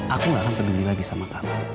aku gak akan peduli lagi sama kamu